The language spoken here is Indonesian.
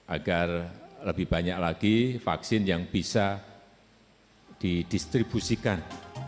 agar lebih banyak lagi vaksin yang bisa didistribusikan